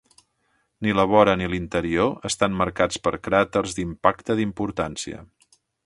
Ni la vora ni l'interior estan marcats per cràters d'impacte d'importància.